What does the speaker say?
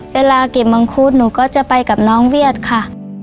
เวลาเก็บมังคุดหนูก็จะไปกับน้องเวียดค่ะ